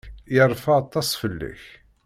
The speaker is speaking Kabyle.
Yerfa aṭas fell-ak.